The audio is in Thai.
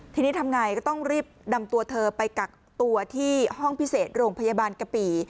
ทีนี้ทำไงก็ต้องรีบนำตัวเธอไปกักตัวที่ห้องพิเศษโรงพยาบาลกะปี